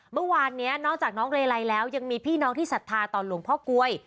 เมื่อวานนี้นอกจากน้องเลไลแล้วยังมีพี่น้องที่ศรัทธาต่อหลวงพ่อกลวย